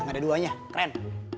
gak ada duanya keren